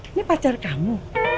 ini pacar kamu